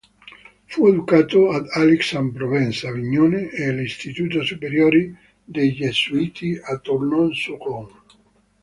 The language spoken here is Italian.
Fu educato ad Aix-en-Provence, Avignone e all'istituto superiore dei gesuiti a Tournon-sur-Rhône.